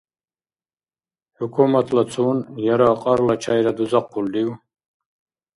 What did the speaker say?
ХӀукуматлацуну яра кьарла чайра дузахъулрив?